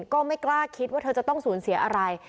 ก็ไม่กล้าคิดว่าเธอจะต้องสูญเสียอะไร